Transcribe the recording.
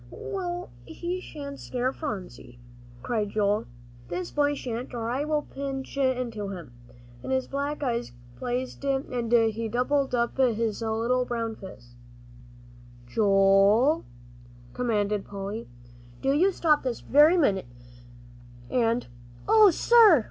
"Well, he shan't scare Phronsie," cried Joel, "this boy shan't, or I will pitch into him," and his black eyes blazed, and he doubled up his little brown fists. "Joel," commanded Polly, "do you stop, this very minute," and, "Oh, sir!"